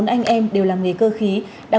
bốn anh em đều làng nghề cơ khí đã